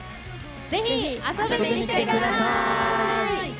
ぜひ遊びに来てください！